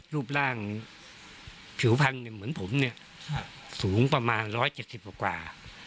รูปร่างผิวพันธุ์เหมือนผมสูงประมาณร้อยเจ็ดสิบกว่า